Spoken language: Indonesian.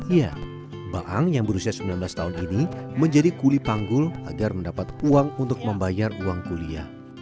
ya baang yang berusia sembilan belas tahun ini menjadi kuli panggul agar mendapat uang untuk membayar uang kuliah